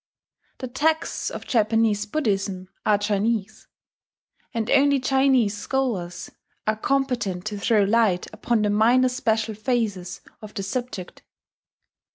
The texts of Japanese Buddhism are Chinese; and only Chinese scholars are competent to throw light upon the minor special phases of the subject.